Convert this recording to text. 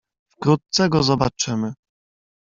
"Wkrótce go zobaczymy."